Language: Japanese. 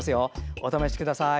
お試しください。